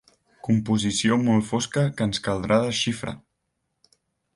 Composició molt fosca que ens caldrà desxifrar.